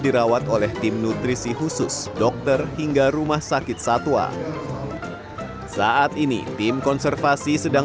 dirawat oleh tim nutrisi khusus dokter hingga rumah sakit satwa saat ini tim konservasi sedang